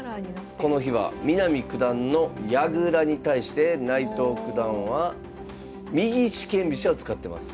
この日は南九段の矢倉に対して内藤九段は右四間飛車を使ってます。